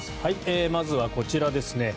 まずはこちらですね。